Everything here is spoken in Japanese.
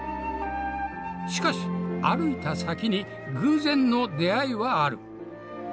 しかし歩いた先に偶然の出会いはある。